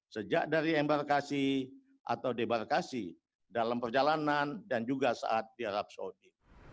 sejak dari embarkasi atau debarkasi dalam perjalanan dan juga saat di arab saudi